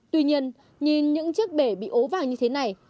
tuy nhiên nhìn những chiếc bể bị ố vào như thế này